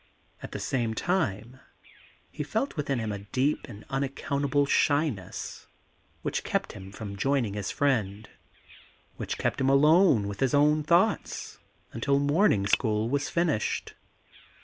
At the same time he felt within him a deep and unaccountable shyness, which kept him from joining his friend, which kept him alone with his own thoughts until morning school was finished.